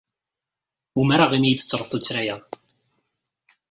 Umreɣ imi ay d-tettred tuttra-a.